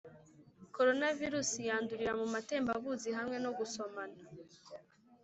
corona virusi yandurira mu matemba buzi hamwe no gusomana